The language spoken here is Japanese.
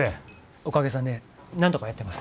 おかげさんでなんとかやってます。